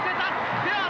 フェアだ！